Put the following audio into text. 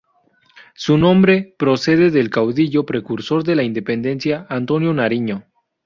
Su nombre procede del caudillo precursor de la independencia Antonio Nariño.